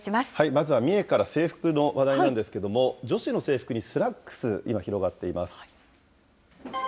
まずは三重から制服の話題なんですけれども、女子の制服にスラックス、今、広がっています。